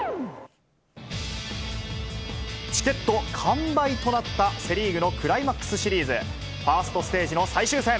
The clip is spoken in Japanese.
チケット完売となったセ・リーグのクライマックスシリーズ。ファーストステージの最終戦。